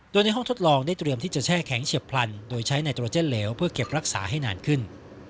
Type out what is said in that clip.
โดยในห้องทดลองได้เตรียมที่จะแช่แข็งเฉียบพลันโดยใช้ไนโตรเจนเหลวเพื่อเก็บรักษาให้นานขึ้น